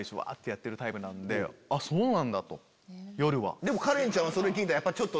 そうなんだ！と夜は。